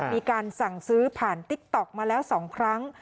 มีการสั่งซื้อผ่านติ๊กต๊อกมาแล้ว๒ครั้ง